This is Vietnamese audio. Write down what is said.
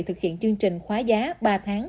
thực hiện chương trình khóa giá ba tháng